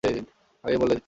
আগেই বলে দিতে।